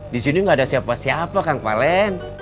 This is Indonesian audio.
di sini gak ada siapa siapa kang palen